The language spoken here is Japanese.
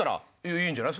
いいんじゃない？